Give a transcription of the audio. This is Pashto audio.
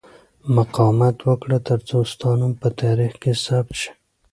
مقاومت وکړه ترڅو ستا نوم په تاریخ کې ثبت شي.